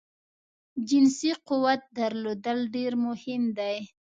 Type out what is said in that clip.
جنسی قوت درلودل ډیر مهم دی